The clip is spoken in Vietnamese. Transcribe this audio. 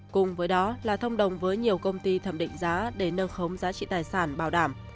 cùng với đó là thông đồng với nhiều công ty thẩm định giá để nâng khống giá trị tài sản bảo đảm